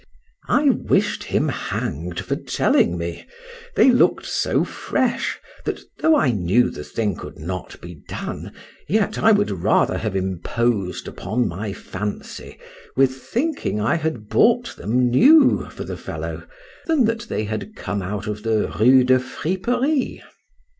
—I wish'd him hang'd for telling me.—They look'd so fresh, that though I knew the thing could not be done, yet I would rather have imposed upon my fancy with thinking I had bought them new for the fellow, than that they had come out of the Rue de Friperie.